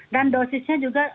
dan dosisnya juga